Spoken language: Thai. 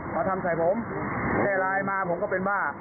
เขาทำใส่ผมแคลรายมาผมก็เป็นบ้า